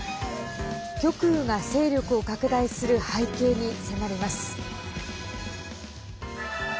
極右が勢力を拡大する背景に迫ります。